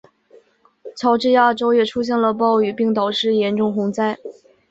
乔治亚州也出现了暴雨并导致严重洪灾。